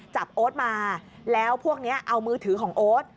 โอ๊ตมาแล้วพวกนี้เอามือถือของโอ๊ต